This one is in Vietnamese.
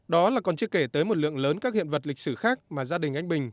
đó là còn chưa kể tới một lượng lớn các hiện vật lịch sử khác mà gia đình anh bình